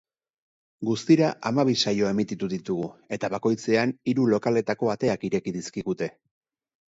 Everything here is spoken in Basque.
Guztira hamabi saio emititu ditugu eta bakoitzean hiru lokaletako ateak ireki dizkigute.